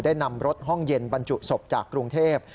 นำรถห้องเย็นบรรจุศพจากกรุงเทพ